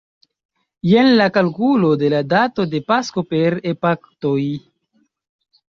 Jen la kalkulo de la dato de Pasko per epaktoj.